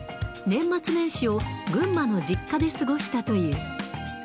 年末年始を群馬の実家で過ごしたという。